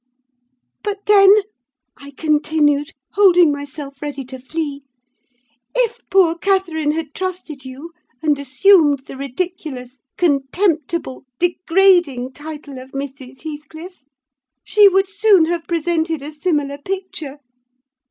"'But then,' I continued, holding myself ready to flee, 'if poor Catherine had trusted you, and assumed the ridiculous, contemptible, degrading title of Mrs. Heathcliff, she would soon have presented a similar picture!